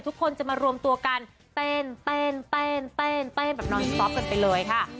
ทุกคนจะมารวมตัวกันเต้นเต้นแบบนอนสต๊อปกันไปเลยค่ะ